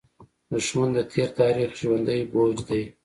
دښمن د تېر تاریخ ژوندى بوج دی